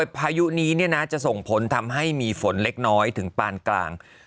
พายุนี้จะส่งผลทำให้มีฝนเล็กน้อยถึงปานกลาง